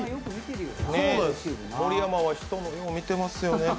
盛山は、人のよう見てますよね。